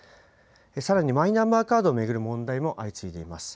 さらに、マイナンバーカードを巡る問題も相次いでいます。